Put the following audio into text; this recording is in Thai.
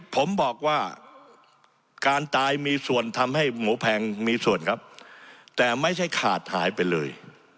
ผมบอกว่าการตายมีส่วนทำให้หมูแพงมีส่วนครับแต่ไม่ใช่ขาดหายไปเลย